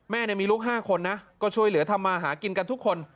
มีลูก๕คนนะก็ช่วยเหลือทำมาหากินกันทุกคน